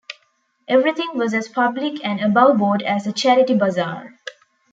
Everything was as public and above-board as a charity bazaar.